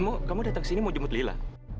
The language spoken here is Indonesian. oh kamu datang sini mau jemput lila